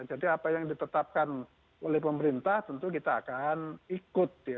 jadi apa yang ditetapkan oleh pemerintah tentu kita akan ikut ya